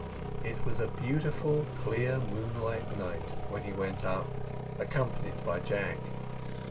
It was a beautiful clear moonlight night, when he went up, accompanied by Jack.